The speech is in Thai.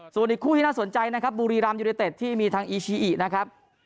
ส่วนอีกคู่ที่น่าสนใจนะครับบุรีรำยูเนเต็ดที่มีทางอีชิอินะครับ